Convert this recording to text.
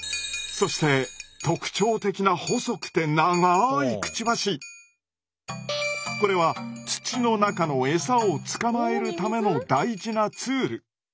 そして特徴的な細くてこれは土の中のエサをつかまえるための大事なツール。